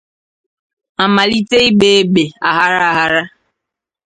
ma malite ịgba égbè aghara aghara